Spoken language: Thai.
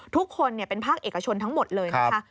ทุกคนเป็นภาคเอกชนทั้งหมดเลยนะคะ